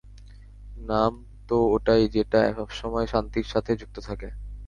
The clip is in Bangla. নাম তো ওটাই যেটা, সবসময় শান্তির সাথে যুক্ত থাকে।